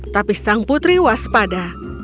tapi sang putri waspada